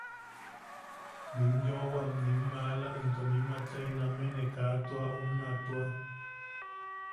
Nim yoʼowa nim maala into nim achai name, ne kaa tua unna tua.